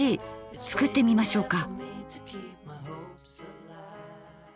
作ってみましょうか。